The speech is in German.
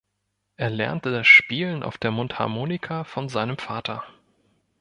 Er lernte das Spielen auf der Mundharmonika von seinem Vater.